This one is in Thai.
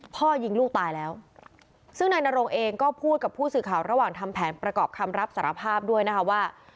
พ่อยิงลูกตายแล้วซึ่งนายนรงเองก็พูดกับผู้สื่อข่าวระหว่างทำแผนประกอบคำรับสารภาพด้วยนะคะว่า